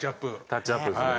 タッチアップですね。